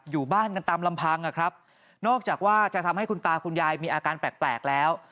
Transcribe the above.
อยู่บ้านกันตามลำพังอ่ะครับนอกจากว่าจะทำให้คุณตาคุณยายมีอาการแปลกแล้ว